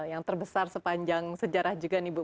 yang terbesar sepanjang sejarah juga nih bu